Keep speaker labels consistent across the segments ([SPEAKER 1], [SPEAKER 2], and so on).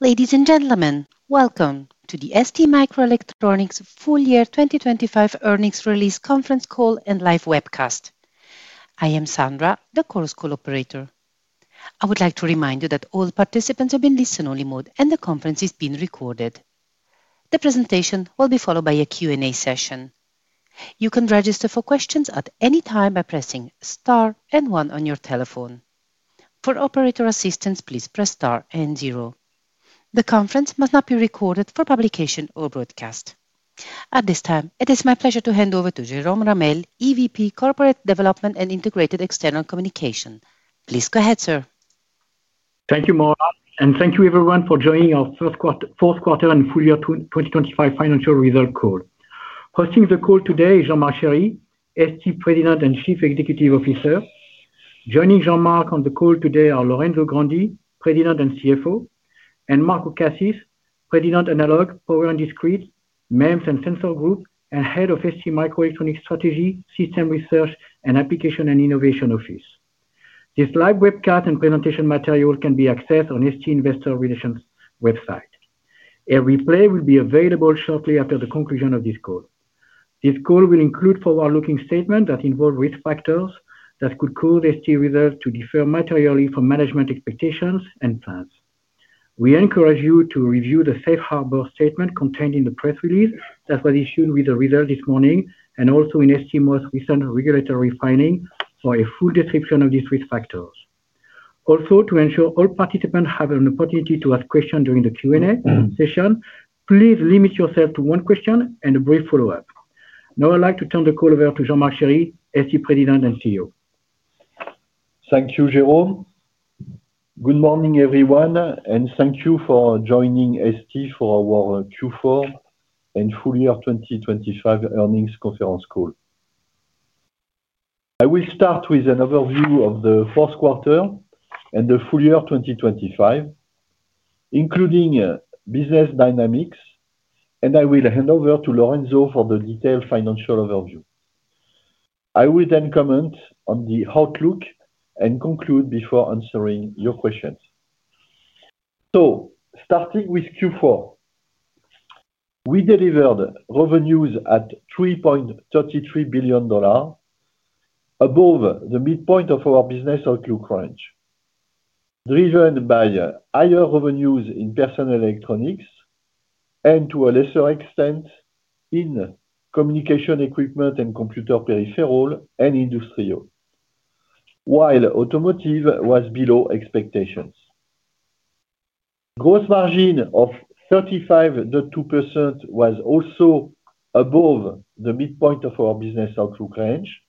[SPEAKER 1] Ladies and gentlemen, welcome to the STMicroelectronics full year 2025 earnings release conference call and live webcast. I am Sandra, the Chorus Call operator. I would like to remind you that all participants are in listen-only mode and the conference is being recorded. The presentation will be followed by a Q&A session. You can register for questions at any time by pressing Star and 1 on your telephone. For operator assistance, please press star and zero. The conference must not be recorded for publication or broadcast. At this time, it is my pleasure to hand over to Jérôme Ramel, EVP Corporate Development and Integrated External Communication. Please go ahead, sir.
[SPEAKER 2] Thank you, Maura, and thank you, everyone, for joining our fourth quarter and Full Year 2025 Financial Results Call. Hosting the call today is Jean-Marc Chery, ST President and Chief Executive Officer. Joining Jean-Marc on the call today are Lorenzo Grandi, President and CFO, and Marco Cassis, President, Analog, Power & Discrete, MEMS and Sensors Group, and Head of STMicroelectronics Strategy, System Research and Application and Innovation Office. This live webcast and presentation material can be accessed on ST Investor Relations website. A replay will be available shortly after the conclusion of this call. This call will include forward-looking statements that involve risk factors that could cause ST results to differ materially from management expectations and plans. We encourage you to review the Safe Harbor statement contained in the press release that was issued with the result this morning and also in STM's recent regulatory filing for a full description of these risk factors. Also, to ensure all participants have an opportunity to ask questions during the Q&A session, please limit yourself to one question and a brief follow-up. Now, I'd like to turn the call over to Jean-Marc Chery, ST President and CEO.
[SPEAKER 3] Thank you, Jérôme. Good morning, everyone, and thank you for joining ST for our Q4 and full year 2025 earnings conference call. I will start with an overview of the fourth quarter and the full year 2025, including business dynamics, and I will hand over to Lorenzo for the detailed financial overview. I will then comment on the outlook and conclude before answering your questions. Starting with Q4, we delivered revenues at $3.33 billion, above the midpoint of our business outlook range, driven by higher revenues in personal electronics and, to a lesser extent, in communication equipment and computer peripherals and industrial, while automotive was below expectations. Gross margin of 35.2% was also above the midpoint of our business outlook range,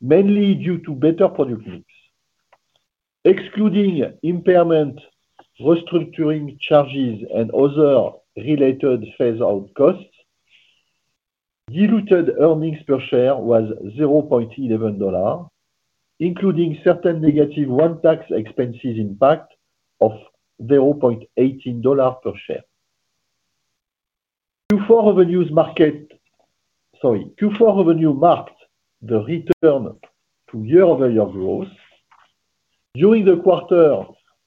[SPEAKER 3] mainly due to better product mix. Excluding impairment, restructuring charges, and other related phase-out costs, diluted earnings per share was $0.11, including certain negative one-time expenses impact of $0.18 per share. Q4 revenues marked the return to year-over-year growth. During the quarter,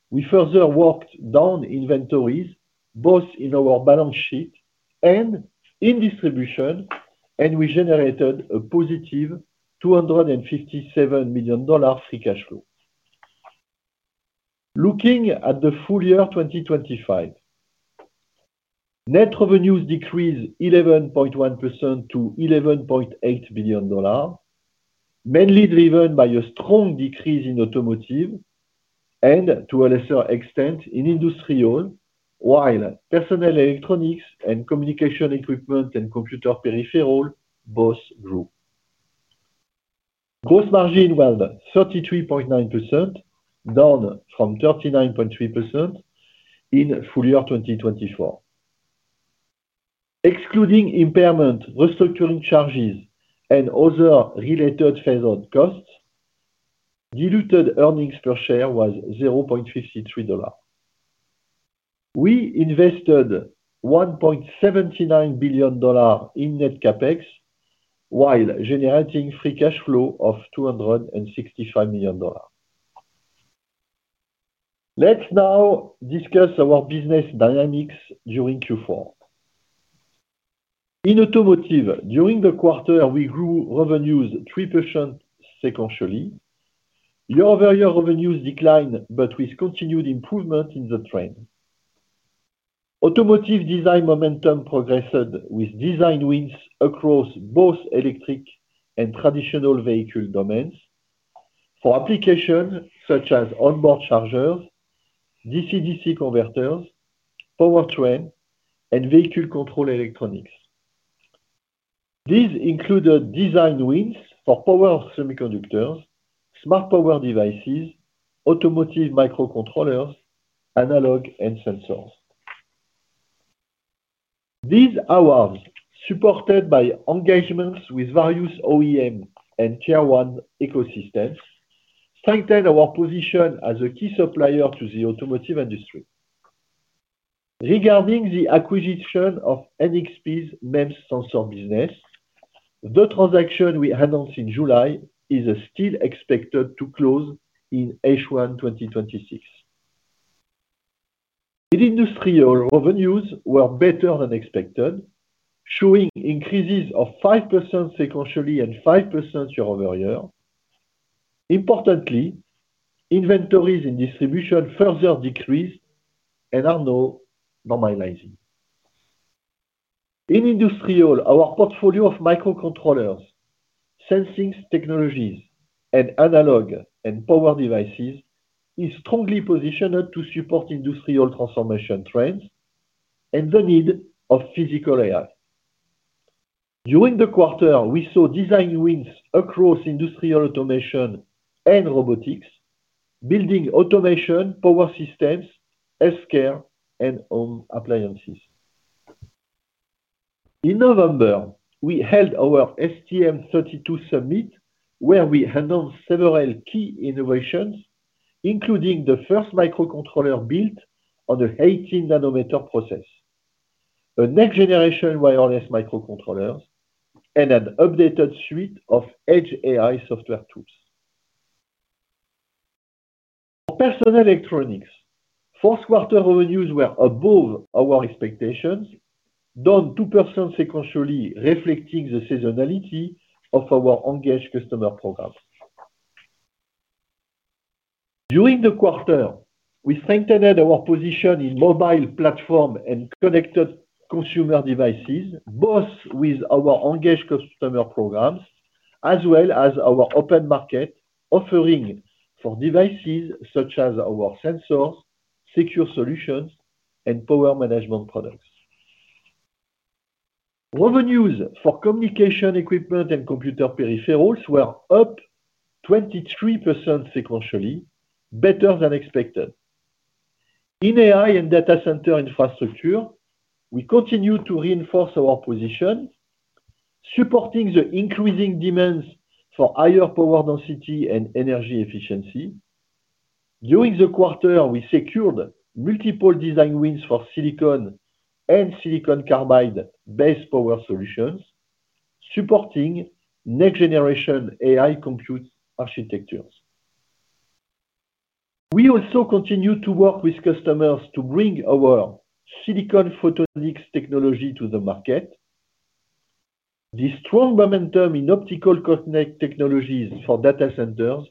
[SPEAKER 3] we further worked down inventories both in our balance sheet and in distribution, and we generated a positive $257 million free cash flow. Looking at the full year 2025, net revenues decreased 11.1% to $11.8 billion, mainly driven by a strong decrease in automotive and, to a lesser extent, in industrial, while personal electronics and communication equipment and computer peripherals both grew. Gross margin went 33.9% down from 39.3% in full year 2024. Excluding impairment, restructuring charges, and other related phase-out costs, diluted earnings per share was $0.53. We invested $1.79 billion in net CapEx while generating free cash flow of $265 million. Let's now discuss our business dynamics during Q4. In automotive, during the quarter, we grew revenues 3% sequentially. Year-over-year revenues declined, but with continued improvement in the trend. Automotive design momentum progressed with design wins across both electric and traditional vehicle domains for applications such as onboard chargers, DC-DC converters, powertrain, and vehicle control electronics. These included design wins for power semiconductors, smart power devices, automotive microcontrollers, analog, and sensors. These awards, supported by engagements with various OEM and tier-one ecosystems, strengthened our position as a key supplier to the automotive industry. Regarding the acquisition of NXP's MEMS sensor business, the transaction we announced in July is still expected to close in H1 2026. Industrial revenues were better than expected, showing increases of 5% sequentially and 5% year-over-year. Importantly, inventories in distribution further decreased and are now normalizing. In industrial, our portfolio of microcontrollers, sensing technologies, and analog and power devices is strongly positioned to support industrial transformation trends and the need of physical AI. During the quarter, we saw design wins across industrial automation and robotics, building automation, power systems, healthcare, and home appliances. In November, we held our STM32 Summit, where we announced several key innovations, including the first microcontroller built on an 18-nanometer process, a next-generation wireless microcontrollers, and an updated suite of edge AI software tools. For personal electronics, fourth quarter revenues were above our expectations, down 2% sequentially, reflecting the seasonality of our engaged customer programs. During the quarter, we strengthened our position in mobile platform and connected consumer devices, both with our engaged customer programs as well as our open market, offering for devices such as our sensors, secure solutions, and power management products. Revenues for communication equipment and computer peripherals were up 23% sequentially, better than expected. In AI and data center infrastructure, we continue to reinforce our position, supporting the increasing demands for higher power density and energy efficiency. During the quarter, we secured multiple design wins for silicon and silicon carbide-based power solutions, supporting next-generation AI compute architectures. We also continue to work with customers to bring our silicon photonics technology to the market. The strong momentum in optical connectivity technologies for data centers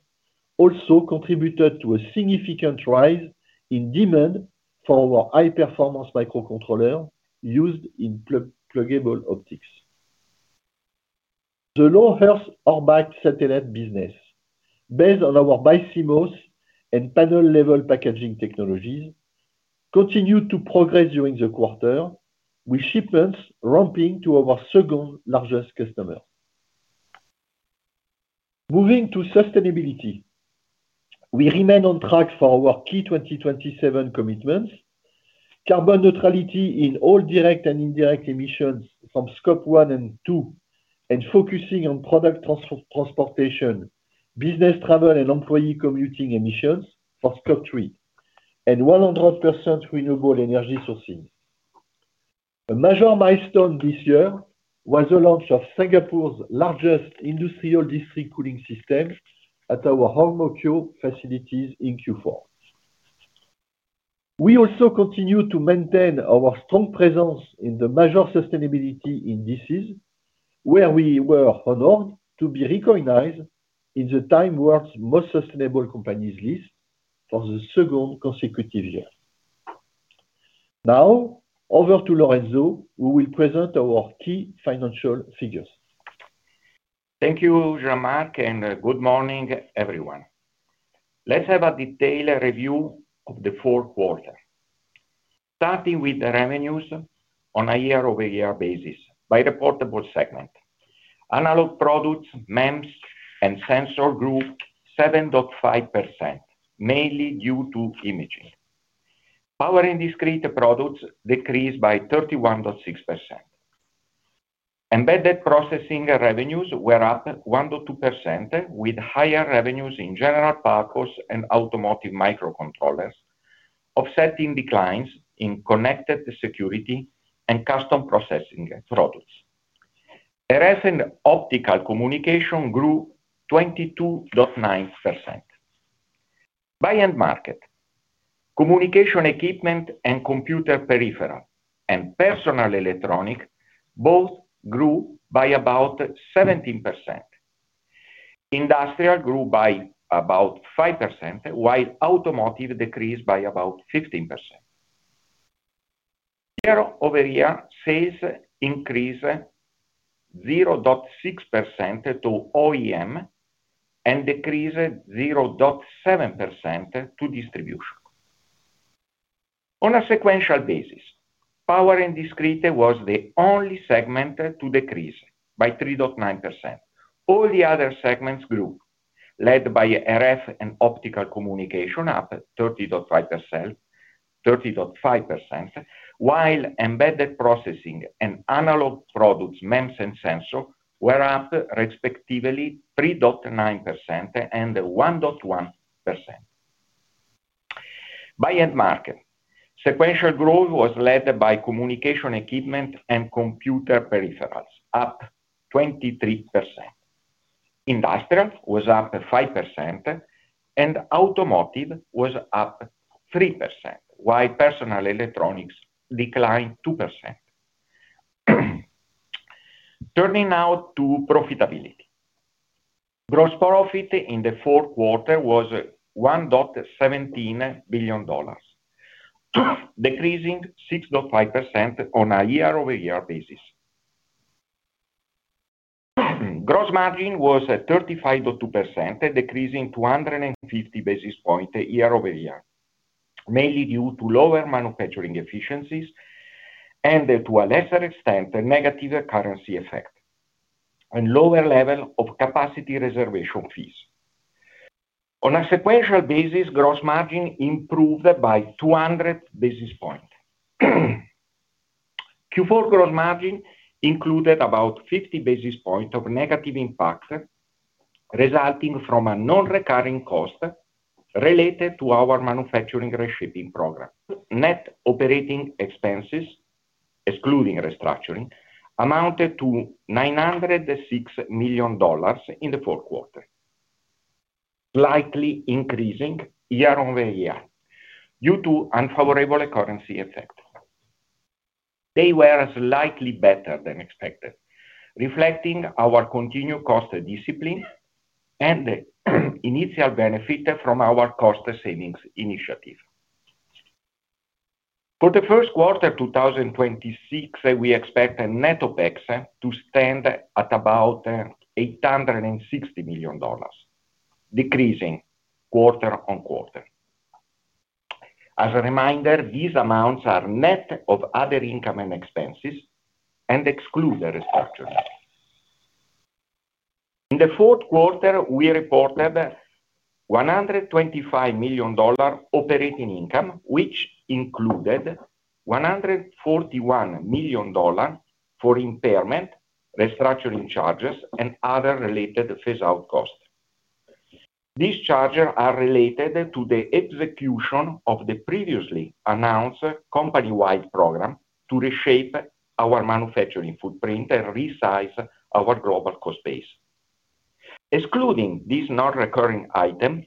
[SPEAKER 3] also contributed to a significant rise in demand for our high-performance microcontrollers used in pluggable optics. The low Earth orbit satellite business, based on our BiCMOS and panel-level packaging technologies, continued to progress during the quarter, with shipments ramping to our second-largest customer. Moving to sustainability, we remain on track for our key 2027 commitments: carbon neutrality in all direct and indirect emissions from Scope 1 and 2, and focusing on product transportation, business travel, and employee commuting emissions for Scope 3, and 100% renewable energy sourcing. A major milestone this year was the launch of Singapore's largest industrial district cooling system at our Ang Mo Kio facilities in Q4. We also continue to maintain our strong presence in the major sustainability indices where we were honored to be recognized in the TIME World's Most Sustainable Companies list for the second consecutive year. Now, over to Lorenzo, who will present our key financial figures.
[SPEAKER 4] Thank you, Jean-Marc, and good morning, everyone. Let's have a detailed review of the fourth quarter, starting with revenues on a year-over-year basis by the product segment. Analog products, MEMS and sensors grew 7.5%, mainly due to imaging. Power and discrete products decreased by 31.6%. Embedded processing revenues were up 1.2%, with higher revenues in general purpose microcontrollers and automotive microcontrollers, offsetting declines in connected security and custom processing products. RF and optical communication grew 22.9%. By end-market communication equipment and computer peripherals and personal electronics both grew by about 17%. Industrial grew by about 5%, while automotive decreased by about 15%. Year-over-year sales increased 0.6% to OEM and decreased 0.7% to distribution. On a sequential basis, power and discrete was the only segment to decrease by 3.9%. All the other segments grew, led by RF and optical communication, up 30.5%, while embedded processing and analog products, MEMS and sensors, were up respectively 3.9% and 1.1%. By end-market sequential growth was led by communication equipment and computer peripherals, up 23%. Industrial was up 5%, and automotive was up 3%, while personal electronics declined 2%. Turning now to profitability, gross profit in the fourth quarter was $1.17 billion, decreasing 6.5% on a year-over-year basis. Gross margin was 35.2%, decreasing 250 basis points year-over-year, mainly due to lower manufacturing efficiencies and, to a lesser extent, negative currency effect and lower level of capacity reservation fees. On a sequential basis, gross margin improved by 200 basis points. Q4 gross margin included about 50 basis points of negative impact resulting from a non-recurring cost related to our Manufacturing Reshaping program. Net operating expenses, excluding restructuring, amounted to $906 million in the fourth quarter, slightly increasing year-over-year due to unfavorable currency effect. They were slightly better than expected, reflecting our continued cost discipline and the initial benefit from our cost savings initiative. For the first quarter 2026, we expect net OpEx to stand at about $860 million, decreasing quarter-over-quarter. As a reminder, these amounts are net of other income and expenses and exclude the restructuring. In the fourth quarter, we reported $125 million operating income, which included $141 million for impairment, restructuring charges, and other related phase-out costs. These charges are related to the execution of the previously announced company-wide program to reshape our manufacturing footprint and resize our global cost base. Excluding these non-recurring items,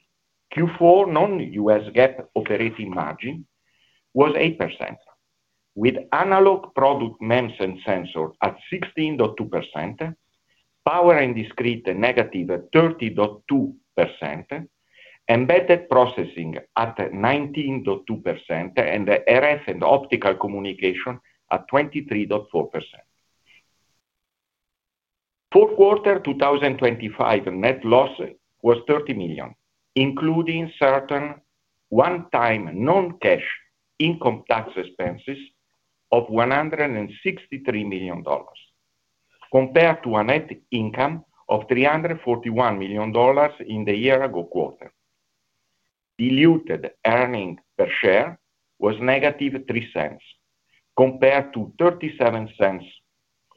[SPEAKER 4] Q4 non-GAAP operating margin was 8%, with analog products, MEMS and sensors at 16.2%, power and discrete -30.2%, embedded processing at 19.2%, and RF and optical communication at 23.4%. Fourth quarter 2025 net loss was $30 million, including certain one-time non-cash income tax expenses of $163 million, compared to a net income of $341 million in the year-ago quarter. Diluted earnings per share was -$0.03, compared to $0.37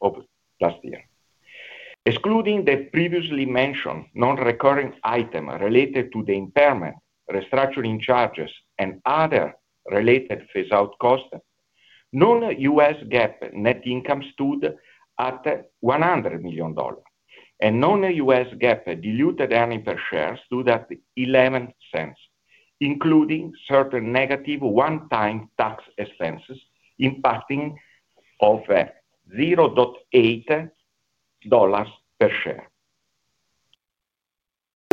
[SPEAKER 4] of last year. Excluding the previously mentioned non-recurring item related to the impairment, restructuring charges, and other related phase-out costs, non-GAAP net income stood at $100 million, and non-GAAP diluted earnings per share stood at $0.11, including certain negative one-time tax expenses impact of $0.8 per share.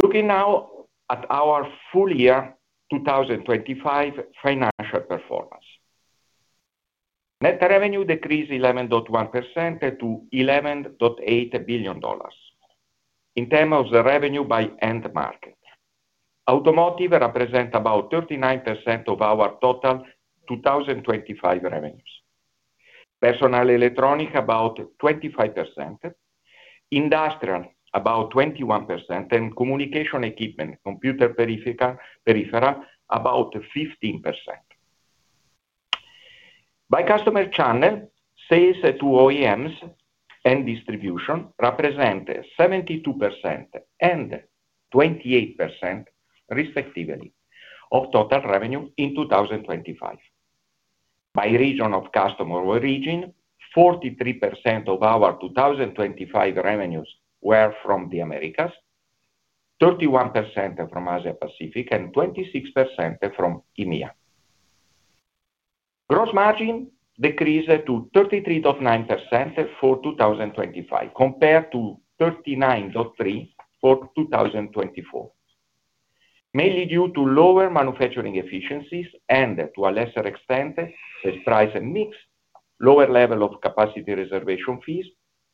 [SPEAKER 4] Looking now at our full year 2025 financial performance, net revenue decreased 11.1% to $11.8 billion in terms of the revenue by end market. Automotive represents about 39% of our total 2025 revenues, personal electronics about 25%, industrial about 21%, and communication equipment, computer peripherals about 15%. By customer channel, sales to OEMs and distribution represent 72% and 28%, respectively, of total revenue in 2025. By region of customer origin, 43% of our 2025 revenues were from the Americas, 31% from Asia-Pacific, and 26% from EMEA. Gross margin decreased to 33.9% for 2025, compared to 39.3% for 2024, mainly due to lower manufacturing efficiencies and, to a lesser extent, the price and mix, lower level of capacity reservation fees,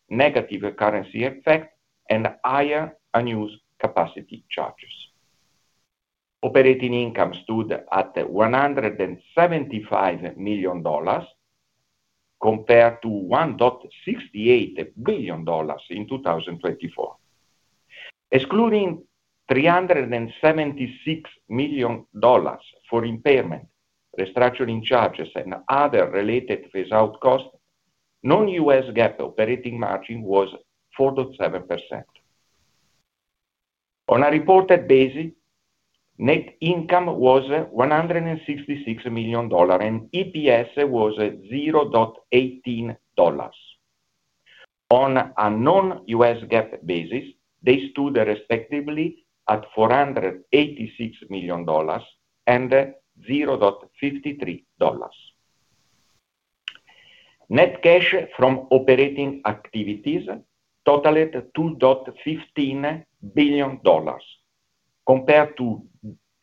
[SPEAKER 4] negative currency effect, and higher unused capacity charges. Operating income stood at $175 million compared to $1.68 billion in 2024. Excluding $376 million for impairment, restructuring charges, and other related phase-out costs, non-GAAP operating margin was 4.7%. On a reported basis, net income was $166 million, and EPS was $0.18. On a non-GAAP basis, they stood respectively at $486 million and $0.53. Net cash from operating activities totaled $2.15 billion, compared to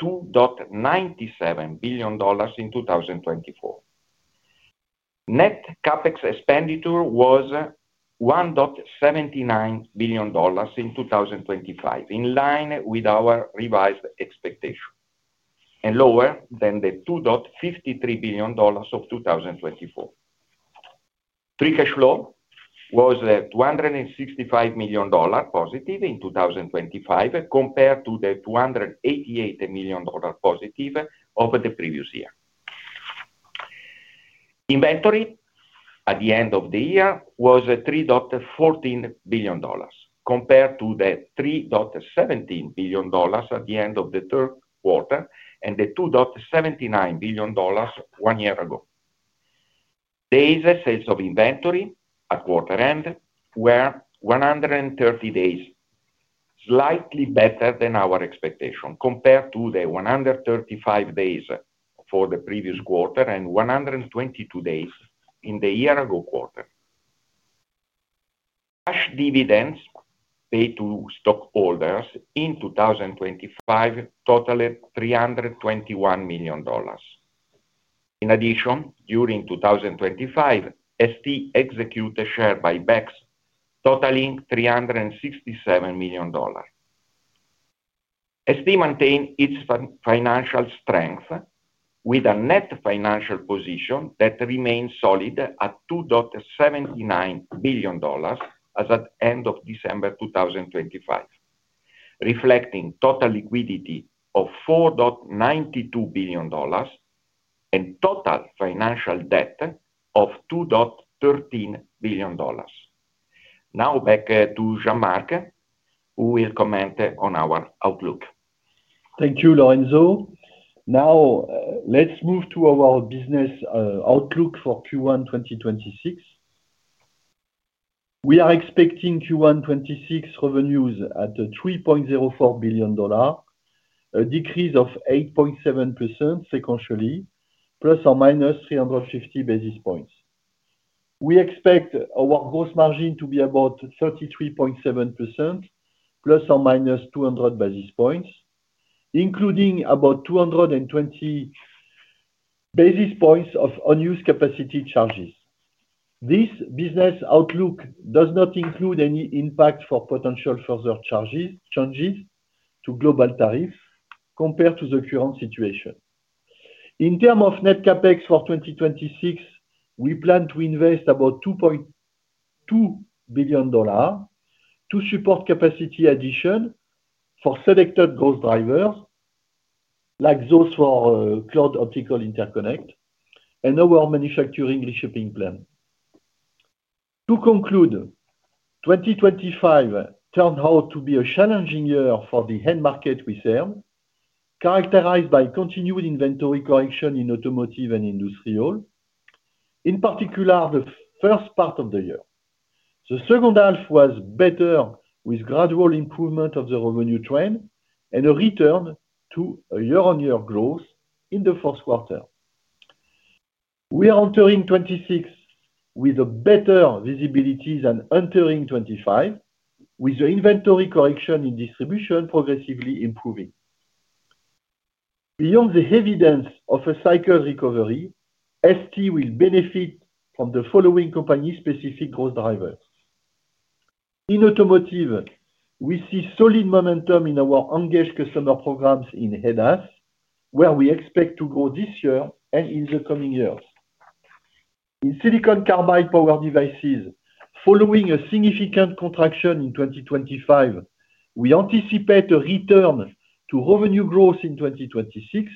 [SPEAKER 4] $2.97 billion in 2024. Net CapEx expenditure was $1.79 billion in 2025, in line with our revised expectation, and lower than the $2.53 billion of 2024. Free cash flow was $265 million positive in 2025, compared to the $288 million positive over the previous year. Inventory at the end of the year was $3.14 billion, compared to the $3.17 billion at the end of the third quarter and the $2.79 billion one year ago. Days sales of inventory at quarter-end were 130 days, slightly better than our expectation, compared to the 135 days for the previous quarter and 122 days in the year-ago quarter. Cash dividends paid to stockholders in 2025 totaled $321 million. In addition, during 2025, ST executed share buybacks totaling $367 million. ST maintained its financial strength with a net financial position that remained solid at $2.79 billion as at the end of December 2025, reflecting total liquidity of $4.92 billion and total financial debt of $2.13 billion. Now back to Jean-Marc, who will comment on our outlook.
[SPEAKER 3] Thank you, Lorenzo. Now, let's move to our business outlook for Q1 2026. We are expecting Q1 2026 revenues at $3.04 billion, a decrease of 8.7% sequentially, plus or minus 350 basis points. We expect our gross margin to be about 33.7%, plus or minus 200 basis points, including about 220 basis points of unused capacity charges. This business outlook does not include any impact for potential further changes to global tariffs compared to the current situation. In terms of net CapEx for 2026, we plan to invest about $2.2 billion to support capacity addition for selected growth drivers like those for Cloud Optical Interconnect and our Manufacturing Reshaping plan. To conclude, 2025 turned out to be a challenging year for the end market we serve, characterized by continued inventory correction in automotive and industrial, in particular the first part of the year. The second half was better, with gradual improvement of the revenue trend and a return to year-on-year growth in the fourth quarter. We are entering 2026 with better visibility and entering 2025 with the inventory correction in distribution progressively improving. Beyond the evidence of a cycle recovery, ST will benefit from the following company-specific growth drivers. In automotive, we see solid momentum in our engaged customer programs in ADAS, where we expect to grow this year and in the coming years. In silicon carbide power devices, following a significant contraction in 2025, we anticipate a return to revenue growth in 2026,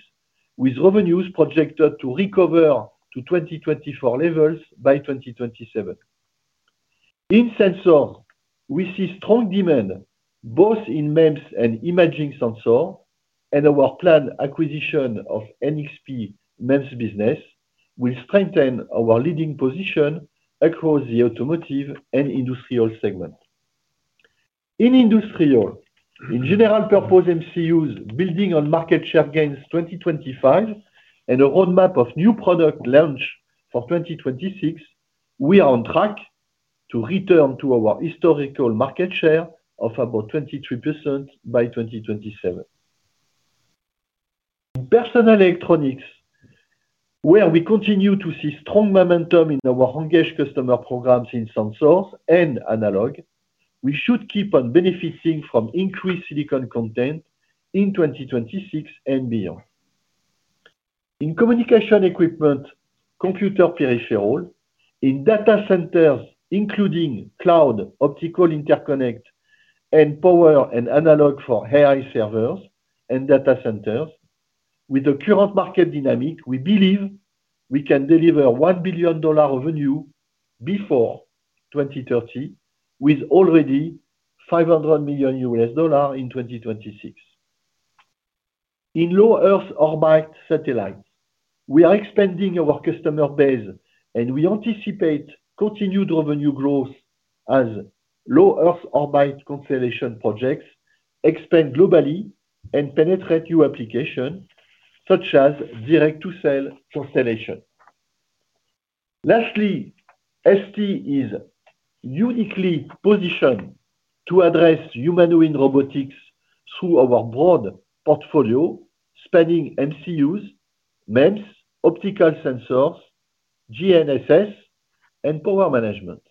[SPEAKER 3] with revenues projected to recover to 2024 levels by 2027. In sensors, we see strong demand both in MEMS and imaging sensors, and our planned acquisition of NXP MEMS business will strengthen our leading position across the automotive and industrial segment. In industrial, in general purpose MCUs building on market share gains 2025 and a roadmap of new product launch for 2026, we are on track to return to our historical market share of about 23% by 2027. In personal electronics, where we continue to see strong momentum in our engaged customer programs in sensors and analog, we should keep on benefiting from increased silicon content in 2026 and beyond. In communication equipment, computer peripherals, in data centers, including Cloud Optical Interconnect and power and analog for AI servers and data centers, with the current market dynamic, we believe we can deliver $1 billion revenue before 2030, with already $500 million in 2026. In low Earth orbit satellites, we are expanding our customer base, and we anticipate continued revenue growth as low Earth orbit constellation projects expand globally and penetrate new applications such as direct-to-cell constellation. Lastly, ST is uniquely positioned to address humanoid robotics through our broad portfolio spanning MCUs, MEMS, optical sensors, GNSS, and power management.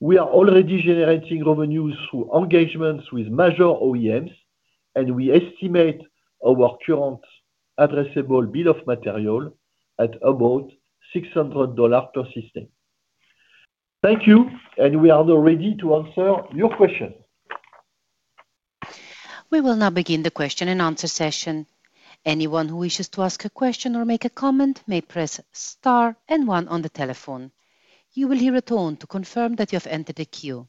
[SPEAKER 3] We are already generating revenues through engagements with major OEMs, and we estimate our current addressable bill of material at about $600 per system. Thank you, and we are now ready to answer your questions.
[SPEAKER 1] We will now begin the question and answer session. Anyone who wishes to ask a question or make a comment may press star and one on the telephone. You will hear a tone to confirm that you have entered the queue.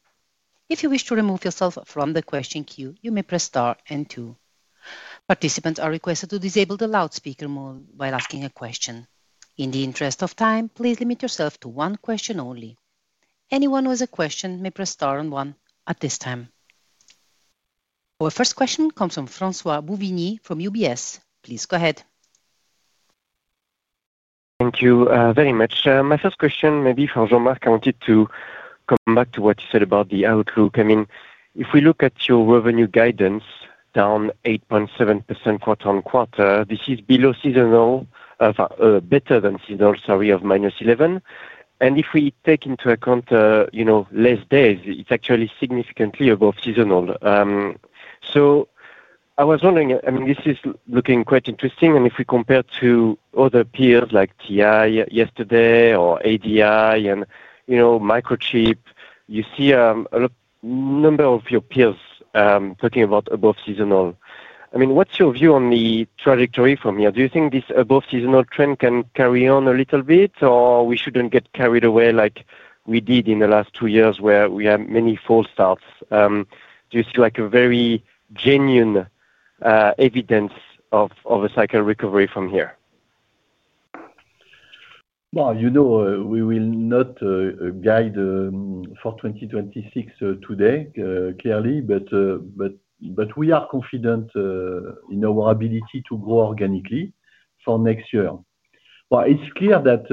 [SPEAKER 1] If you wish to remove yourself from the question queue, you may press star and two. Participants are requested to disable the loudspeaker mode while asking a question. In the interest of time, please limit yourself to one question only. Anyone who has a question may press star and one at this time. Our first question comes from François-Xavier Bouvignies from UBS. Please go ahead.
[SPEAKER 5] Thank you very much. My first question, maybe for Jean-Marc, I wanted to come back to what you said about the outlook. I mean, if we look at your revenue guidance down 8.7% for fourth quarter, this is below seasonal, better than seasonal, sorry, of -11%. If we take into account less days, it's actually significantly above seasonal. I was wondering, I mean, this is looking quite interesting. If we compare to other peers like TI yesterday or ADI and microchip, you see a number of your peers talking about above seasonal. I mean, what's your view on the trajectory from here? Do you think this above seasonal trend can carry on a little bit, or we shouldn't get carried away like we did in the last two years where we had many false starts? Do you see a very genuine evidence of a cycle recovery from here?
[SPEAKER 3] Well, we will not guide for 2026 today clearly, but we are confident in our ability to grow organically for next year. Well, it's clear that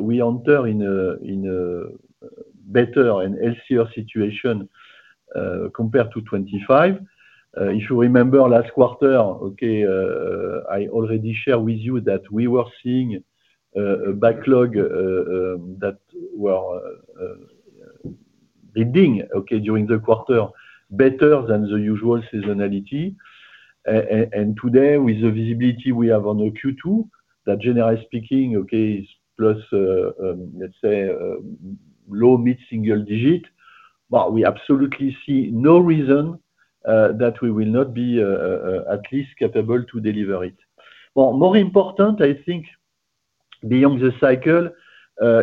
[SPEAKER 3] we enter in a better and healthier situation compared to 2025. If you remember last quarter, I already shared with you that we were seeing a backlog that we're building during the quarter, better than the usual seasonality. Today, with the visibility we have on the Q2, that generally speaking, plus let's say low mid-single digit, we absolutely see no reason that we will not be at least capable to deliver it. Well, more important, I think, beyond the cycle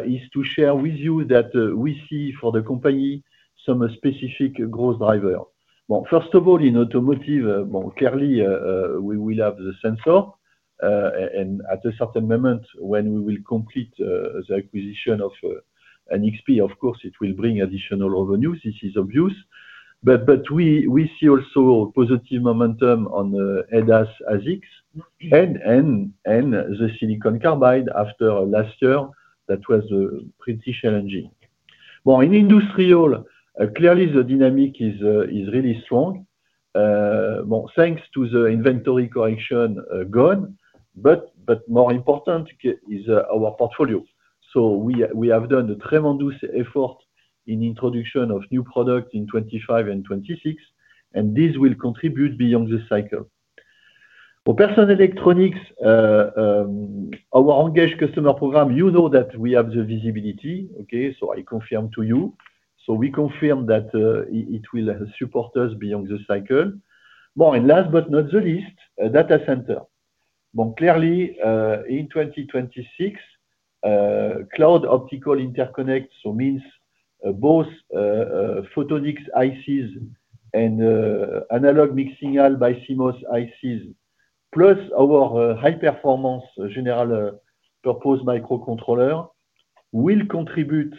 [SPEAKER 3] is to share with you that we see for the company some specific growth driver. Well, first of all, in automotive, clearly, we will have the sensor. At a certain moment when we will complete the acquisition of NXP, of course, it will bring additional revenues. This is obvious. But we see also positive momentum on the ADAS, ASICs, and the silicon carbide after last year that was pretty challenging. Well, in industrial, clearly, the dynamic is really strong. Thanks to the inventory correction gone, but more important is our portfolio. We have done a tremendous effort in the introduction of new products in 2025 and 2026, and this will contribute beyond the cycle. For personal electronics, our engaged customer program, you know that we have the visibility. I confirm to you. We confirm that it will support us beyond the cycle. Last but not the least, data center. Clearly, in 2026, Cloud Optical Interconnect means both Photonics ICs and analog mixing by BiCMOS ICs, plus our high-performance general purpose microcontroller will contribute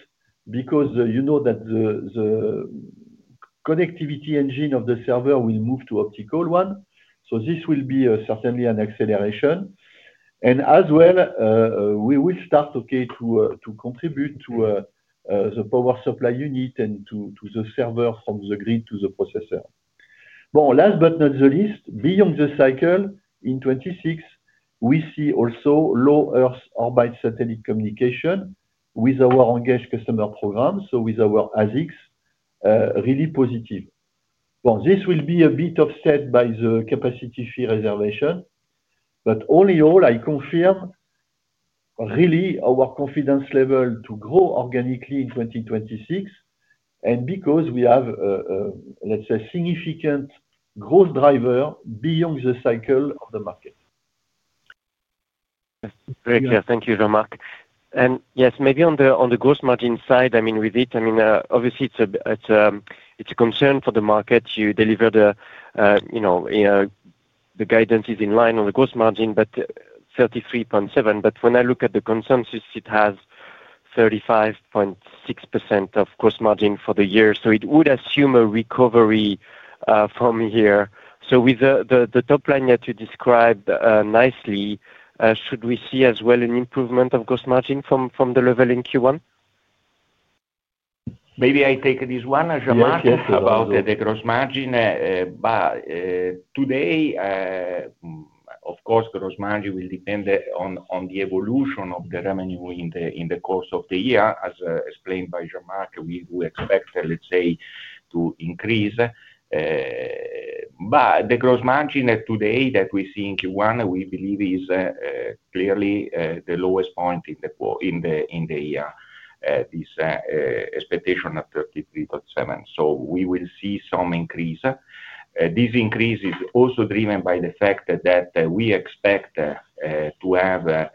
[SPEAKER 3] because you know that the connectivity engine of the server will move to optical one. This will be certainly an acceleration. As well, we will start to contribute to the power supply unit and to the server from the grid to the processor. Well, last but not the least, beyond the cycle, in 2026, we see also low Earth orbit satellite communication with our engaged customer program, so with our ASICs, really positive. Well, this will be a bit offset by the capacity fee reservation. But all in all, I confirm really our confidence level to grow organically in 2026 and because we have, let's say, significant growth driver beyond the cycle of the market.
[SPEAKER 5] Thank you, Jean-Marc. Yes, maybe on the gross margin side, I mean, with it, I mean, obviously, it's a concern for the market. You deliver the guidance is in line on the gross margin, but 33.7%. But when I look at the consensus, it has 35.6% of gross margin for the year. It would assume a recovery from here. With the top line that you described nicely, should we see as well an improvement of gross margin from the level in Q1?
[SPEAKER 4] Maybe I take this one, Jean-Marc, about the gross margin. Today, of course, gross margin will depend on the evolution of the revenue in the course of the year, as explained by Jean-Marc, we expect, let's say, to increase. But the gross margin today that we see in Q1, we believe, is clearly the lowest point in the year, this expectation of 33.7%. We will see some increase. This increase is also driven by the fact that we expect to have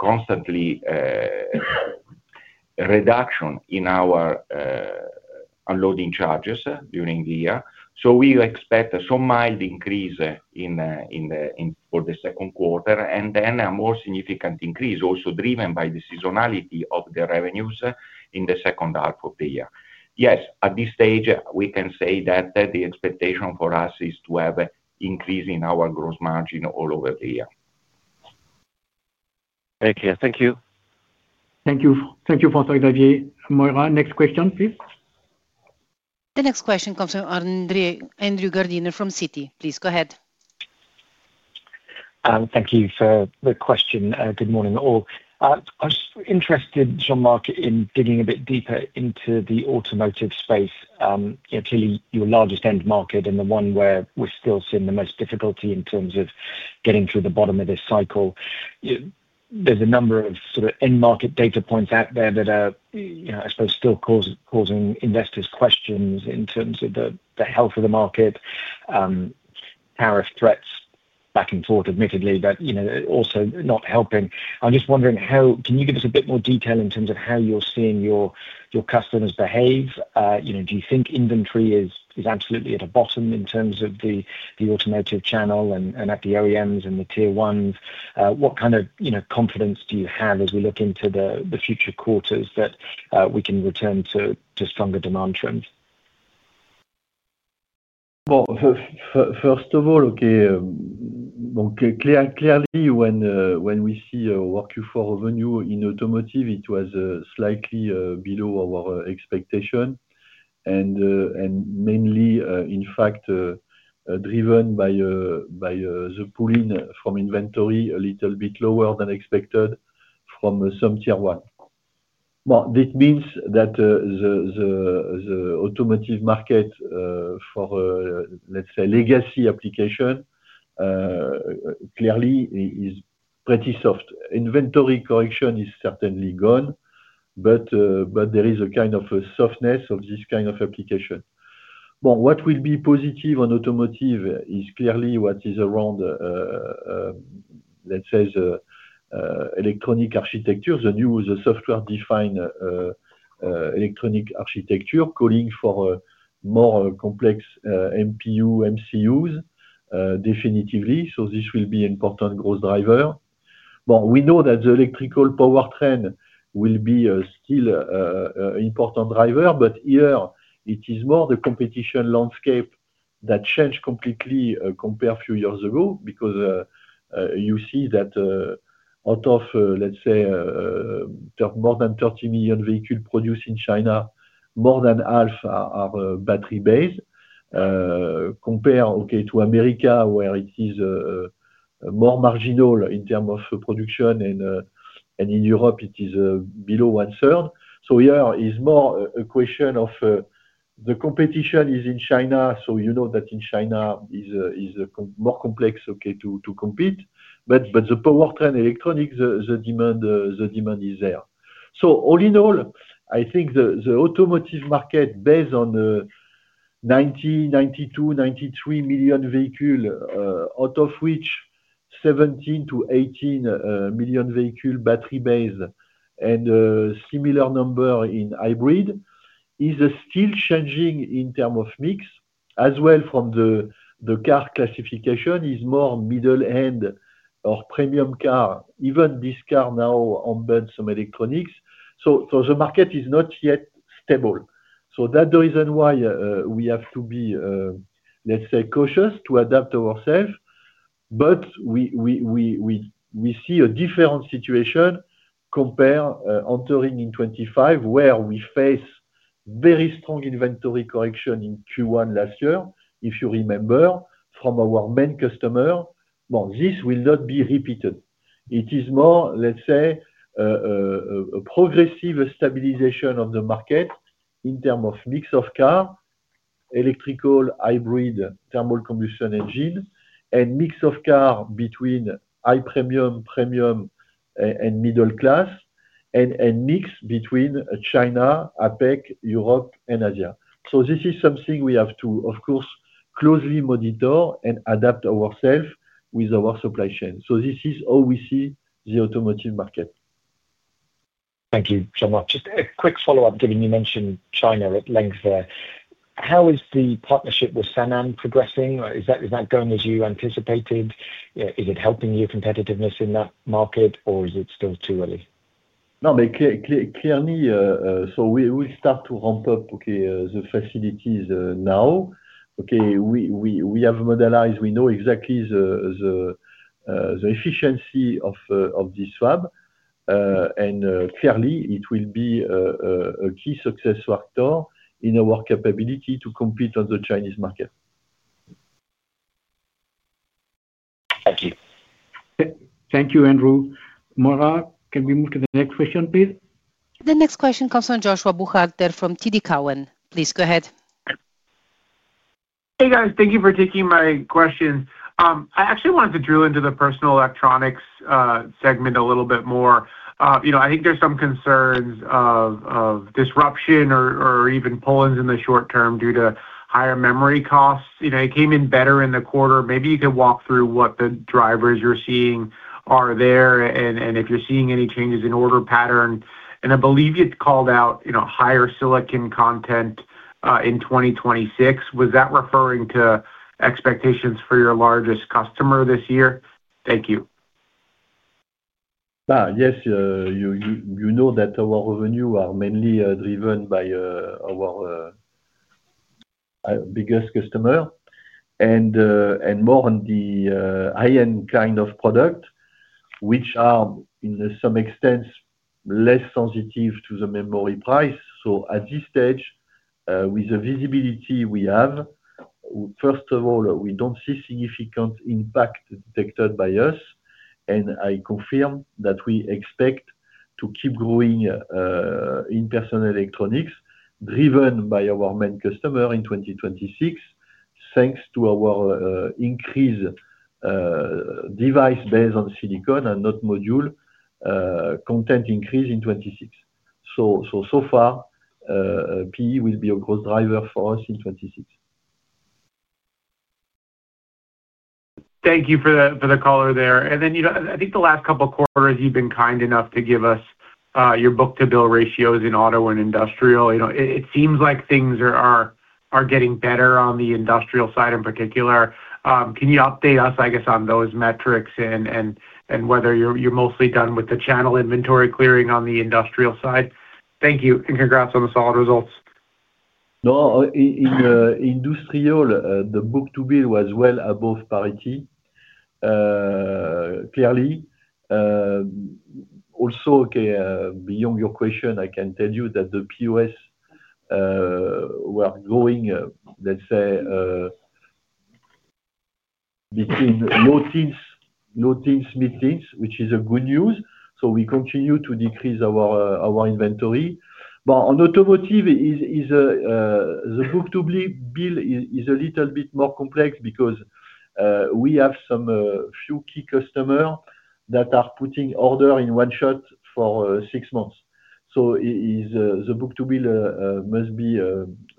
[SPEAKER 4] constantly a reduction in our unused capacity charges during the year. We expect some mild increase for the second quarter and then a more significant increase also driven by the seasonality of the revenues in the second half of the year. Yes, at this stage, we can say that the expectation for us is to have an increase in our gross margin all over the year.
[SPEAKER 5] Thank you.
[SPEAKER 4] Thank you.
[SPEAKER 3] Thank you, François-Xavier. Maura, next question, please.
[SPEAKER 1] The next question comes from Andrew Gardiner from Citi. Please go ahead.
[SPEAKER 6] Thank you for the question. Good morning, all. I was interested, Jean-Marc, in digging a bit deeper into the automotive space. Clearly, your largest end market and the one where we're still seeing the most difficulty in terms of getting through the bottom of this cycle. There's a number of end market data points out there that are, I suppose, still causing investors questions in terms of the health of the market, tariff threats back and forth, admittedly, but also not helping. I'm just wondering, can you give us a bit more detail in terms of how you're seeing your customers behave? Do you think inventory is absolutely at a bottom in terms of the automotive channel and at the OEMs and the tier ones? What kind of confidence do you have as we look into the future quarters that we can return to stronger demand trends?
[SPEAKER 3] Well, first of all, clearly, when we see our Q4 revenue in automotive, it was slightly below our expectation and mainly, in fact, driven by the pulling from inventory a little bit lower than expected from some tier one. Well, that means that the automotive market for, let's say, legacy application clearly is pretty soft. Inventory correction is certainly gone, but there is a kind of softness of this kind of application. Well, what will be positive on automotive is clearly what is around, let's say, electronic architecture, the new software-defined electronic architecture calling for more complex MPU, MCUs definitively. This will be an important growth driver. Well, we know that the electrical power trend will be still an important driver, but here it is more the competition landscape that changed completely compared to a few years ago because you see that out of, let's say, more than 30 million vehicles produced in China, more than half are battery-based. Compared to America, where it is more marginal in terms of production, and in Europe, it is below one-third. Here is more a question of the competition is in China. You know that in China is more complex to compete. But the power trend, electronics, the demand is there. So all in all, I think the automotive market, based on 90, 92, 93 million vehicles, out of which 17-18 million vehicles battery-based and a similar number in hybrid, is still changing in terms of mix. As well, from the car classification, is more middle-end or premium car, even this car now onboard some electronics. The market is not yet stable. That's the reason why we have to be, let's say, cautious to adapt ourselves. But we see a different situation compared to entering in 2025, where we face very strong inventory correction in Q1 last year, if you remember, from our main customer. Well, this will not be repeated. It is more, let's say, a progressive stabilization of the market in terms of mix of car, electrical, hybrid, thermal combustion engine, and mix of car between high premium, premium, and middle class, and mix between China, APEC, Europe, and Asia. This is something we have to, of course, closely monitor and adapt ourselves with our supply chain. This is how we see the automotive market.
[SPEAKER 6] Thank you, Jean-Marc. Just a quick follow-up, given you mentioned China at length there. How is the partnership with Sanan progressing? Is that going as you anticipated? Is it helping your competitiveness in that market, or is it still too early?
[SPEAKER 3] No, clearly, so we will start to ramp up the facilities now. We have modelized, we know exactly the efficiency of this fab. Clearly, it will be a key success factor in our capability to compete on the Chinese market.
[SPEAKER 6] Thank you.
[SPEAKER 3] Thank you, Andrew. Maura, can we move to the next question, please?
[SPEAKER 1] The next question comes from Joshua Buchalter there from TD Cowen. Please go ahead.
[SPEAKER 7] Hey, guys. Thank you for taking my questions. I actually wanted to drill into the personal electronics segment a little bit more. I think there's some concerns of disruption or even pull-ins in the short term due to higher memory costs. It came in better in the quarter. Maybe you could walk through what the drivers you're seeing are there and if you're seeing any changes in order pattern. I believe you called out higher silicon content in 2026. Was that referring to expectations for your largest customer this year? Thank you.
[SPEAKER 3] Yes, you know that our revenue are mainly driven by our biggest customer and more on the high-end kind of product, which are in some extent less sensitive to the memory price. At this stage, with the visibility we have, first of all, we don't see significant impact detected by us. I confirm that we expect to keep growing in personal electronics driven by our main customer in 2026, thanks to our increased device-based on silicon and not module content increase in 2026. So far, PE will be a growth driver for us in 2026.
[SPEAKER 7] Thank you for the color there. Then I think the last couple of quarters, you've been kind enough to give us your Book-to-bill ratios in auto and industrial. It seems like things are getting better on the industrial side in particular. Can you update us, I guess, on those metrics and whether you're mostly done with the channel inventory clearing on the industrial side? Thank you, and congrats on the solid results.
[SPEAKER 3] No, in industrial, the book-to-bill was well above parity, clearly. Also, beyond your question, I can tell you that the POS were growing, let's say, between low teens mid teens, which is good news. We continue to decrease our inventory. But on automotive, the book-to-bill is a little bit more complex because we have some few key customers that are putting orders in one shot for six months. The book-to-bill must be,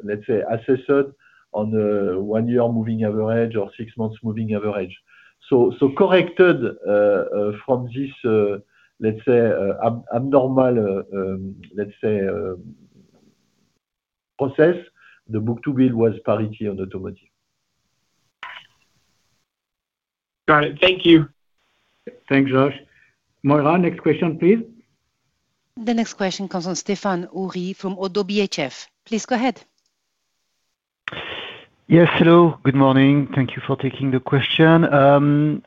[SPEAKER 3] let's say, assessed on a one-year moving average or six months moving average. Corrected from this, let's say, abnormal, let's say, process, the book-to-bill was parity on automotive.
[SPEAKER 7] Got it. Thank you.
[SPEAKER 3] Thanks, Josh. Maura, next question, please.
[SPEAKER 1] The next question comes from Stéphane Houri from ODDO BHF. Please go ahead.
[SPEAKER 8] Yes, hello. Good morning. Thank you for taking the question.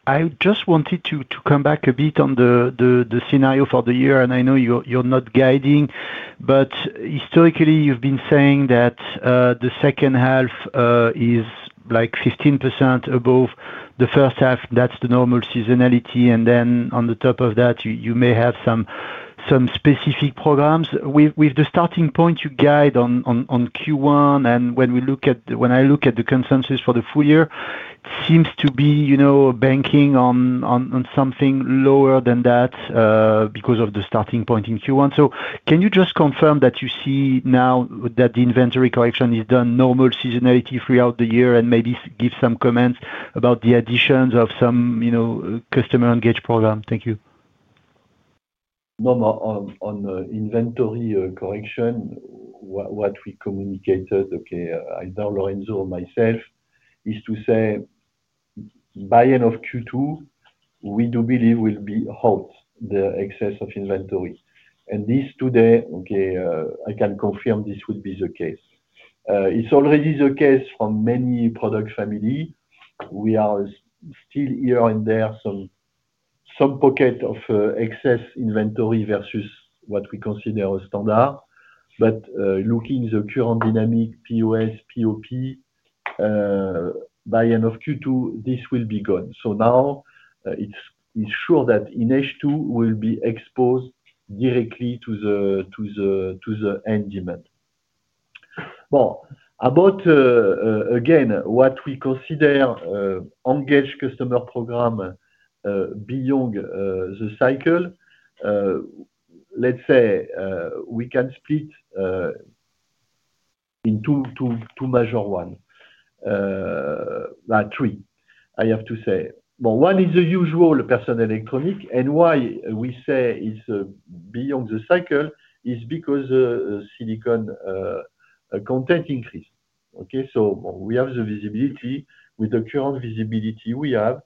[SPEAKER 8] I just wanted to come back a bit on the scenario for the year. I know you're not guiding, but historically, you've been saying that the second half is like 15% above the first half. That's the normal seasonality. Then on the top of that, you may have some specific programs. With the starting point you guide on Q1, and when I look at the consensus for the full year, it seems to be banking on something lower than that because of the starting point in Q1. Can you just confirm that you see now that the inventory correction is done normal seasonality throughout the year and maybe give some comments about the additions of some customer engage program? Thank you.
[SPEAKER 3] No, on the inventory correction, what we communicated, either Lorenzo or myself, is to say, by end of Q2, we do believe will be halt the excess of inventory. This today, I can confirm this would be the case. It's already the case from many product families. We are still here and there some pocket of excess inventory versus what we consider a standard. But looking at the current dynamic, POS, POP, by end of Q2, this will be gone. Now it's sure that in H2 will be exposed directly to the end demand. Well, about, again, what we consider engaged customer program beyond the cycle, let's say we can split in two major ones, three, I have to say. Well, one is the usual personal electronic. Why we say it's beyond the cycle is because silicon content increased. We have the visibility with the current visibility we have.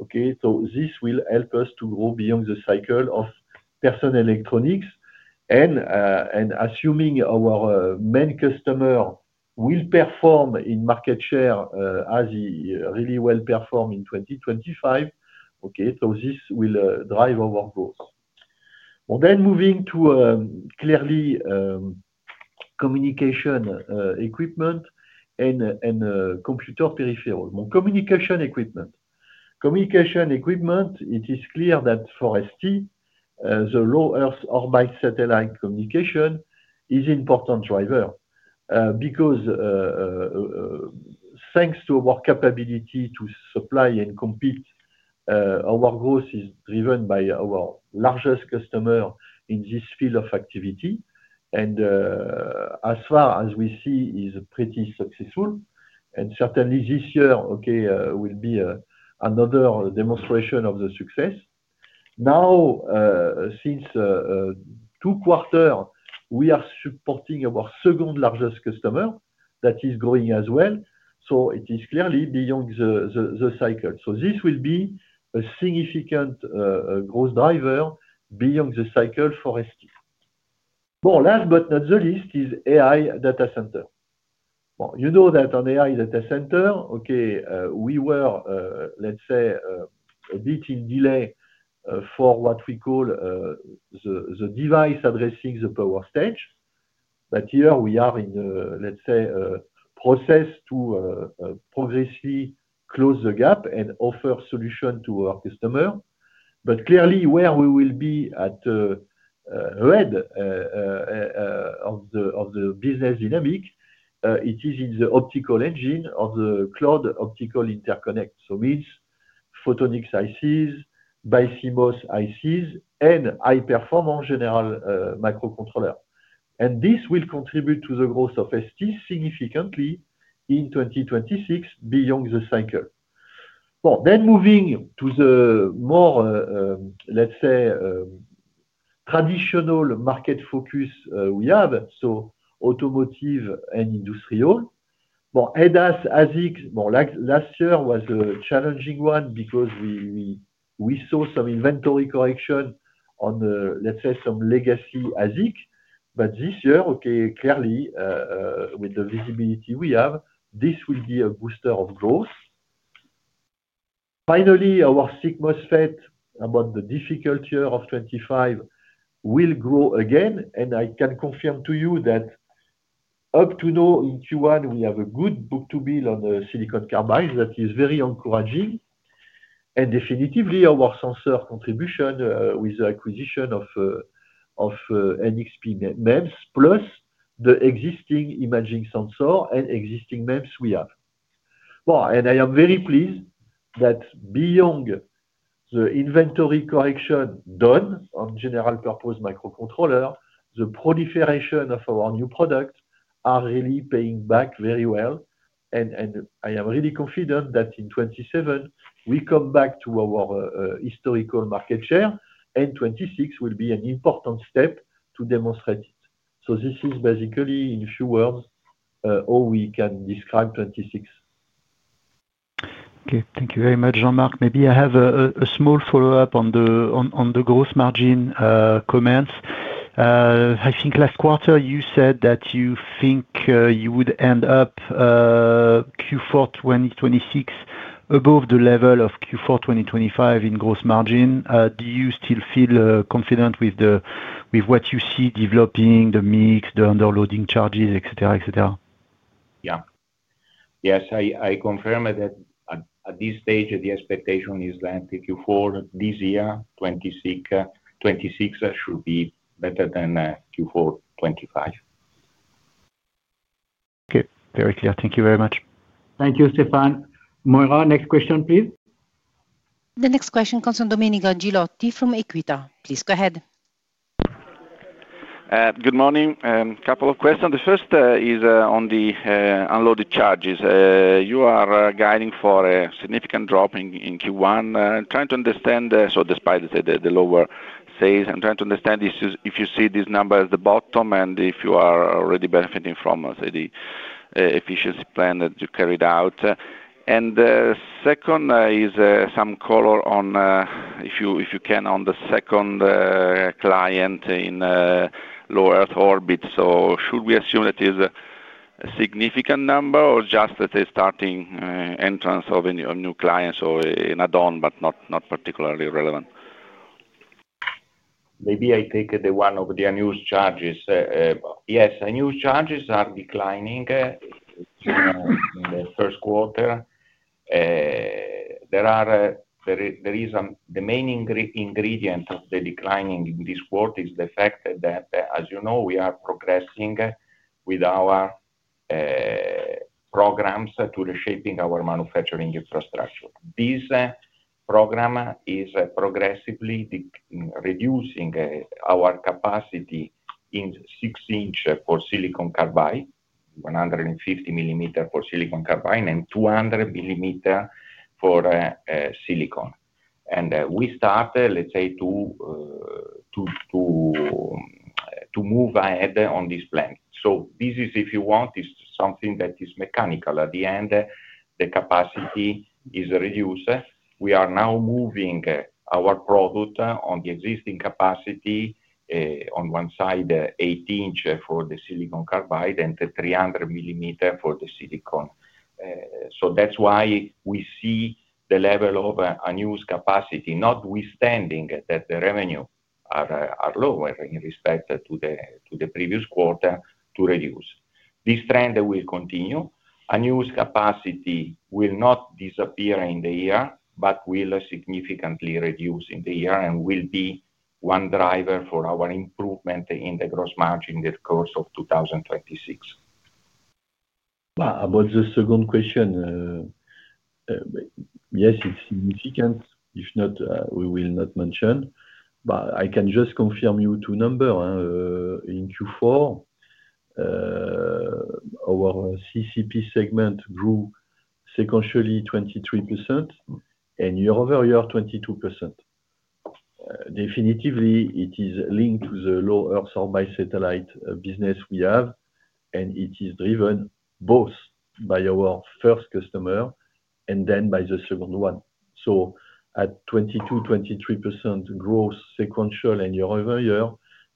[SPEAKER 3] This will help us to grow beyond the cycle of personal electronics. Assuming our main customer will perform in market share as he really well performed in 2025, so this will drive our growth. Well, then moving to clearly communication equipment and computer peripherals. Communication equipment. Communication equipment, it is clear that for ST, the low Earth orbit satellite communication, is an important driver because thanks to our capability to supply and compete, our growth is driven by our largest customer in this field of activity, and as far as we see, it is pretty successful. Certainly, this year will be another demonstration of the success. Now, since two quarters, we are supporting our second largest customer that is growing as well. It is clearly beyond the cycle. This will be a significant growth driver beyond the cycle for ST. Well, last but not the least is AI data center. You know that on AI data center, we were, let's say, a bit in delay for what we call the device addressing the power stage. But here we are in, let's say, a process to progressively close the gap and offer solutions to our customers. But clearly, where we will be at the head of the business dynamic, it is in the optical engine of the Cloud Optical Interconnect. It's Photonics ICs, BiCMOS ICs, and high-performance general microcontroller. This will contribute to the growth of ST significantly in 2026 beyond the cycle. Well, then moving to the more, let's say, traditional market focus we have, so automotive and industrial. Well, ADAS ASIC, last year was a challenging one because we saw some inventory correction on, let's say, some legacy ASIC. But this year, clearly, with the visibility we have, this will be a booster of growth. Finally, our SiC MOSFETs after the difficult year of 2025 will grow again. I can confirm to you that up to now in Q1, we have a good book-to-bill on silicon carbide that is very encouraging. And definitely, our sensor contribution with the acquisition of NXP MEMS plus the existing imaging sensor and existing MEMS we have. Well, and I am very pleased that beyond the inventory correction done on general purpose microcontroller, the proliferation of our new products are really paying back very well. And I am really confident that in 2027, we come back to our historical market share. And 2026 will be an important step to demonstrate it. This is basically, in a few words, how we can describe 2026.
[SPEAKER 8] Okay. Thank you very much, Jean-Marc. Maybe I have a small follow-up on the gross margin comments. I think last quarter, you said that you think you would end up Q4 2026 above the level of Q4 2025 in gross margin. Do you still feel confident with what you see developing, the mix, the underloading charges, etc., etc.?
[SPEAKER 4] Yeah. Yes, I confirm that at this stage, the expectation is lengthy Q4 this year. 2026 should be better than Q4 2025.
[SPEAKER 8] Okay. Very clear. Thank you very much.
[SPEAKER 3] Thank you, Stéphane. Maura, next question, please.
[SPEAKER 1] The next question comes from Domenico Ghilotti from Equita. Please go ahead.
[SPEAKER 9] Good morning. A couple of questions. The first is on the unused charges. You are guiding for a significant drop in Q1. I'm trying to understand, so despite the lower sales, I'm trying to understand if you see these numbers at the bottom and if you are already benefiting from the efficiency plan that you carried out. The second is some color on, if you can, on the second client in low Earth orbit. Should we assume that it is a significant number or just, let's say, starting entrance of a new client or an add-on, but not particularly relevant?
[SPEAKER 4] Maybe I take the one on the unused charges. Yes, unused charges are declining in the first quarter. There is the main ingredient of the declining in this quarter is the fact that, as you know, we are progressing with our programs to reshaping our manufacturing infrastructure. This program is progressively reducing our capacity in six inches for silicon carbide, 150 millimeters for silicon carbide, and 200 millimeters for silicon. We started, let's say, to move ahead on this plan. This is, if you want, something that is mechanical. At the end, the capacity is reduced. We are now moving our product on the existing capacity on one side, eight inches for the silicon carbide and 300 millimeters for the silicon. That's why we see the level of unused capacity notwithstanding that the revenues are lower in respect to the previous quarter to reduce. This trend will continue. Unused capacity will not disappear in the year, but will significantly reduce in the year and will be one driver for our improvement in the gross margin in the course of 2026.
[SPEAKER 3] About the second question, yes, it's significant. If not, we will not mention. But I can just confirm you two numbers. In Q4, our CCP segment grew sequentially 23% and year-over-year 22%. Definitely, it is linked to the low Earth orbit satellite business we have, and it is driven both by our first customer and then by the second one. At 22, 23% growth sequential and year-over-year,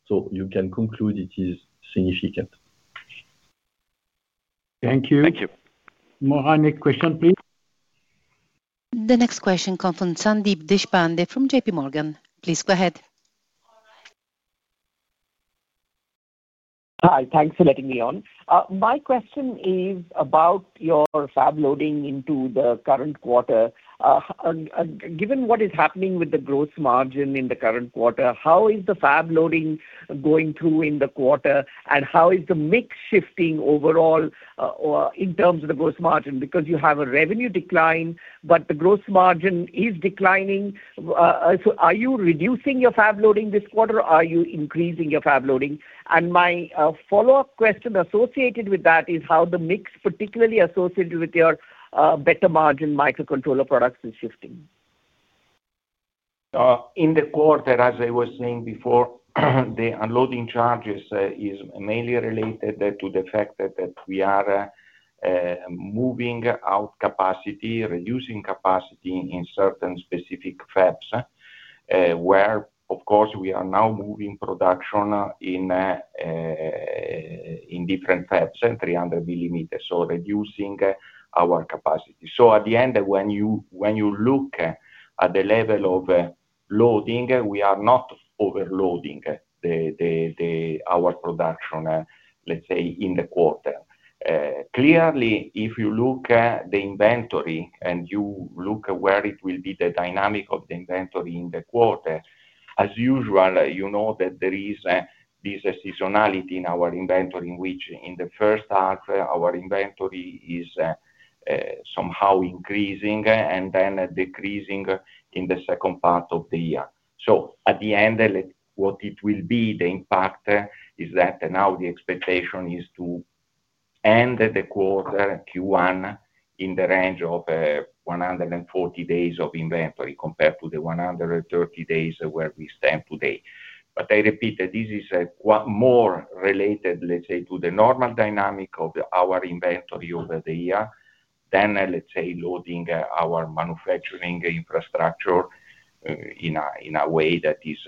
[SPEAKER 3] so you can conclude it is significant.
[SPEAKER 9] Thank you.
[SPEAKER 3] Thank you. Maura, next question, please.
[SPEAKER 1] The next question comes from Sandeep Deshpande from J.P. Morgan. Please go ahead.
[SPEAKER 10] Hi. Thanks for letting me on. My question is about your fab loading into the current quarter. Given what is happening with the gross margin in the current quarter, how is the fab loading going through in the quarter, and how is the mix shifting overall in terms of the gross margin? Because you have a revenue decline, but the gross margin is declining. Are you reducing your fab loading this quarter? Are you increasing your fab loading? My follow-up question associated with that is how the mix, particularly associated with your better margin microcontroller products, is shifting.
[SPEAKER 4] In the quarter, as I was saying before, the unused capacity charges are mainly related to the fact that we are moving out capacity, reducing capacity in certain specific fabs, where, of course, we are now moving production in different fabs, 300 millimeters, so reducing our capacity. At the end, when you look at the level of loading, we are not overloading our production, let's say, in the quarter. Clearly, if you look at the inventory and you look at where it will be the dynamic of the inventory in the quarter, as usual, you know that there is this seasonality in our inventory in which in the first half, our inventory is somehow increasing and then decreasing in the second part of the year. At the end, what it will be, the impact is that now the expectation is to end the quarter Q1 in the range of 140 days of inventory compared to the 130 days where we stand today. But I repeat, this is more related, let's say, to the normal dynamic of our inventory over the year than, let's say, loading our manufacturing infrastructure in a way that is,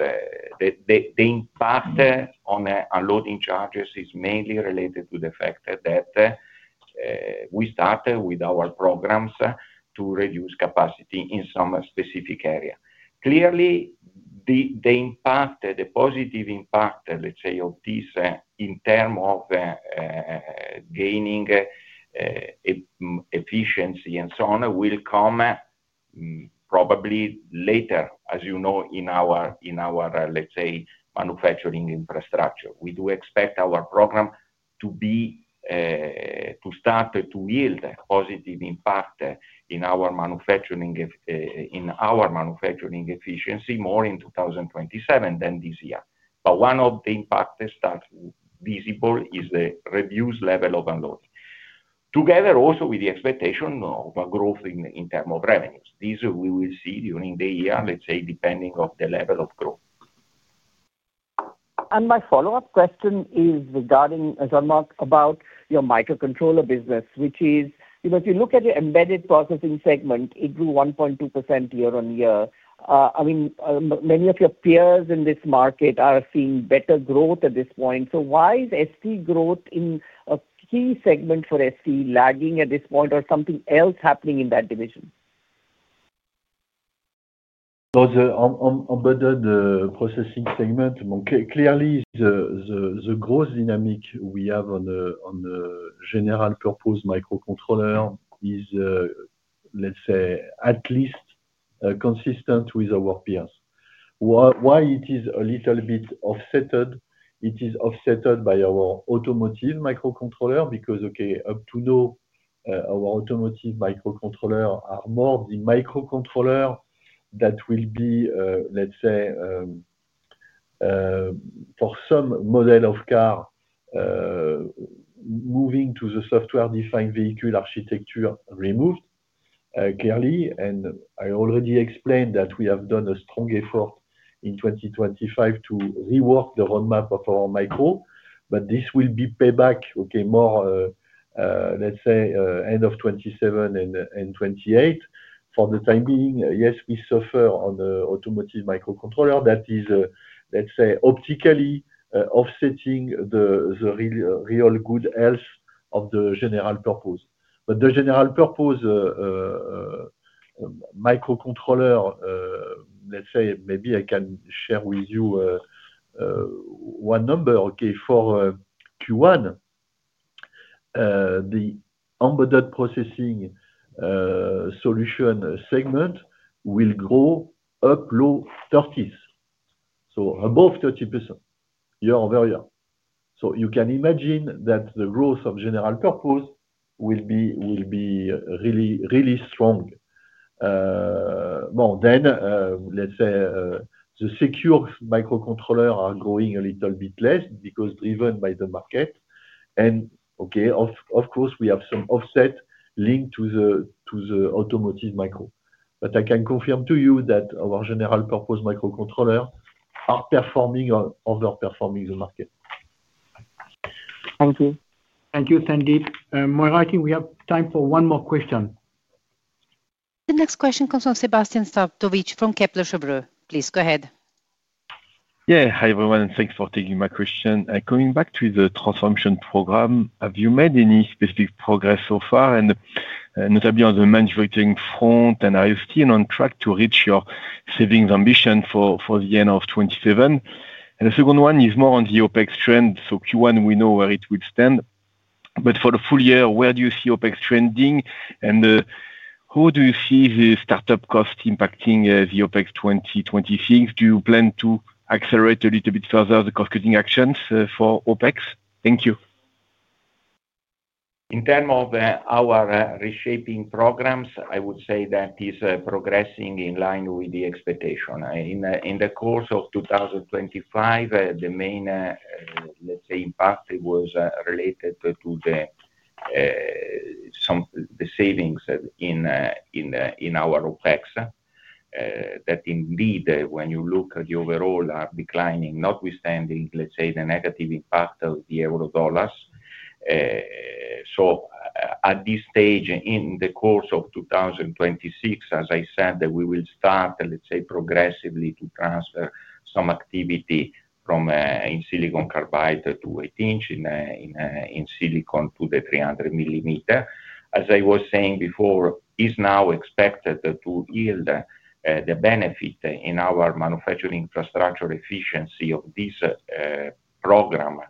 [SPEAKER 4] the impact on unused capacity charges is mainly related to the fact that we started with our programs to reduce capacity in some specific area. Clearly, the impact, the positive impact, let's say, of this in terms of gaining efficiency and so on will come probably later, as you know, in our, let's say, manufacturing infrastructure. We do expect our program to start to yield a positive impact in our manufacturing efficiency more in 2027 than this year. But one of the impacts that's visible is the reduced level of unloading, together also with the expectation of growth in terms of revenues. This we will see during the year, let's say, depending on the level of growth.
[SPEAKER 10] My follow-up question is regarding, Jean-Marc, about your microcontroller business, which is, if you look at your embedded processing segment, it grew 1.2% year-on-year. I mean, many of your peers in this market are seeing better growth at this point. Why is ST growth in a key segment for ST lagging at this point, or is something else happening in that division?
[SPEAKER 3] On the embedded processing segment, clearly, the growth dynamic we have on general purpose microcontroller is, let's say, at least consistent with our peers. Why it is a little bit offset? It is offset by our automotive microcontroller because, okay, up to now, our automotive microcontroller are more the microcontroller that will be, let's say, for some model of car moving to the software-defined vehicle architecture removed, clearly. I already explained that we have done a strong effort in 2025 to rework the roadmap of our micro, but this will be payback, okay, more, let's say, end of 2027 and 2028. For the time being, yes, we suffer on the automotive microcontroller that is, let's say, partially offsetting the real good health of the general purpose. But the general purpose microcontroller, let's say, maybe I can share with you one number, okay, for Q1, the embedded processing solution segment will grow up low 30s, so above 30% year-over-year. You can imagine that the growth of general purpose will be really strong. Well, then, let's say, the secure microcontroller are growing a little bit less because driven by the market. Okay, of course, we have some offset linked to the automotive micro. But I can confirm to you that our general purpose microcontroller are performing or overperforming the market.
[SPEAKER 10] Thank you.
[SPEAKER 3] Thank you, Sandeep. Maura, I think we have time for one more question.
[SPEAKER 1] The next question comes from Sébastien Sztabowicz from Kepler Cheuvreux. Please go ahead.
[SPEAKER 11] Yeah. Hi, everyone. Thanks for taking my question. Coming back to the transformation program, have you made any specific progress so far? Notably on the manufacturing front, and are you still on track to reach your savings ambition for the end of 2027? The second one is more on the OpEx trend. Q1, we know where it will stand. But for the full year, where do you see OpEx trending? How do you see the startup cost impacting the OpEx 2026? Do you plan to accelerate a little bit further the cost-cutting actions for OpEx? Thank you.
[SPEAKER 4] In terms of our reshaping programs, I would say that it is progressing in line with the expectation. In the course of 2025, the main, let's say, impact was related to the savings in our OpEx that indeed, when you look at the overall, are declining, notwithstanding, let's say, the negative impact of the euro-dollar. At this stage, in the course of 2026, as I said, we will start, let's say, progressively to transfer some activity from silicon carbide to eight-inch in silicon to the 300 mm. As I was saying before, it is now expected to yield the benefit in our manufacturing infrastructure efficiency of this program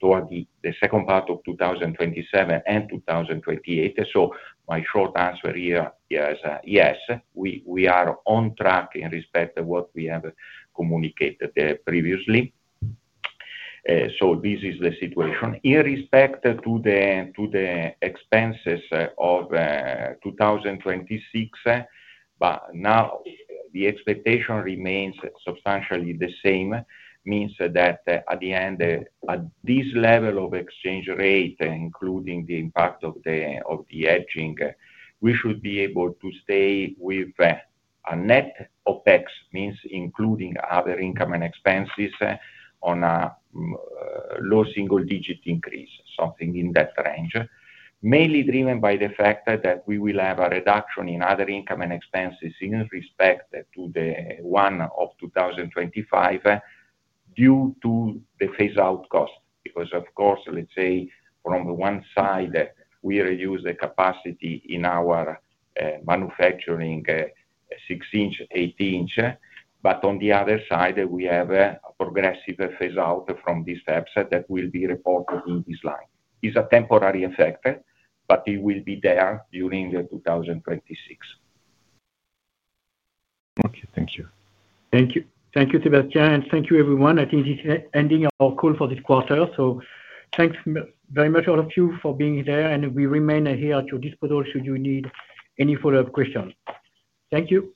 [SPEAKER 4] toward the second part of 2027 and 2028. My short answer here is yes. We are on track in respect to what we have communicated previously. This is the situation. In respect to the expenses of 2026, but now the expectation remains substantially the same, means that at the end, at this level of exchange rate, including the impact of the hedging, we should be able to stay with a net OpEx, means including other income and expenses on a low single-digit increase, something in that range, mainly driven by the fact that we will have a reduction in other income and expenses in respect to the one of 2025 due to the phase-out cost. Because, of course, let's say, from one side, we reduce the capacity in our manufacturing six-inch, eight-inch, but on the other side, we have a progressive phase-out from these steps that will be reported in this line. It's a temporary effect, but it will be there during 2026.
[SPEAKER 11] Okay. Thank you.
[SPEAKER 3] Thank you. Thank you, Sebastien. Thank you, everyone. I think this is ending our call for this quarter. Thanks very much, all of you, for being there. We remain here at your disposal should you need any follow-up questions. Thank you.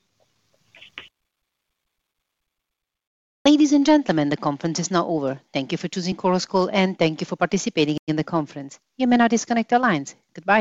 [SPEAKER 1] Ladies and gentlemen, the conference is now over. Thank you for choosing Chorus Call, and thank you for participating in the conference. You may now disconnect your lines. Goodbye.